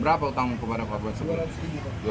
berapa hutangmu kepada korban sebelumnya